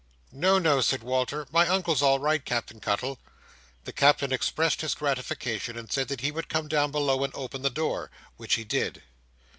"No, no," said Walter. "My Uncle's all right, Captain Cuttle." The Captain expressed his gratification, and said he would come down below and open the door, which he did.